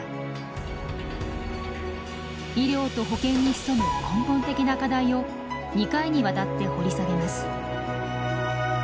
医療と保健に潜む根本的な課題を２回にわたって掘り下げます。